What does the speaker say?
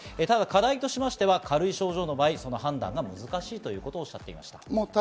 ただ、課題としては軽い症状の場合、その判断が難しいことをおっしゃっていました。